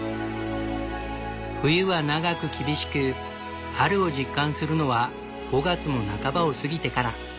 冬は長く厳しく春を実感するのは５月も半ばを過ぎてから。